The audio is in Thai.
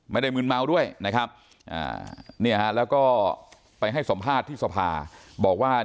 มืนเมาด้วยนะครับแล้วก็ไปให้สัมภาษณ์ที่สภาบอกว่า